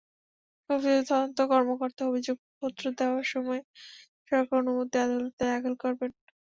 সংশ্লিষ্ট তদন্ত কর্মকর্তা অভিযোগপত্র দেওয়ার সময় সরকারের অনুমতি আদালতে দাখিল করবেন।